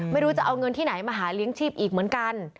ไม่รู้จะเอาเงินที่ไหนมาหาเลี้ยงชีพอีกเหมือนกัน